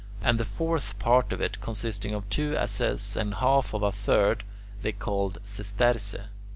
And the fourth part of it, consisting of two asses and half of a third, they called "sesterce."